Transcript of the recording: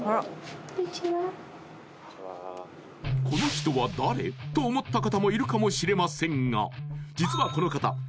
この人は誰？と思った方もいるかもしれませんが実はこの方